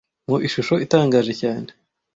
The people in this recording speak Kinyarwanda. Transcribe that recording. mu ishusho itangaje cyane